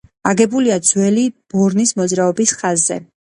აგებულია ძველი ბორნის მოძრაობის ხაზზე.